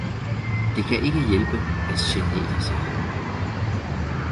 Det kan ikke hjælpe at genere sig